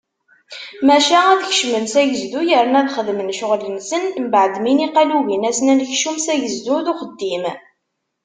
Maca ad kecmen s agezdu yernu ad xedmen ccɣel-nsen, mbeɛd mi niqal ugin-asen anekcum s agezdu d uxeddim.